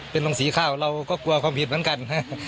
เป็นโรงสีข้าวเราก็กลัวความผิดเหมือนกัน